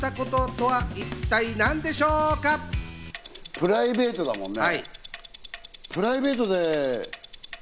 プライベートだもんね。